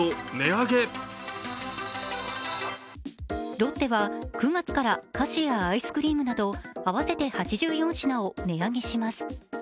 ロッテは９月から菓子やアイスクリームなど、合わせて８４品を値上げします。